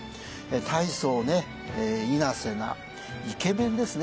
大層いなせなイケメンですね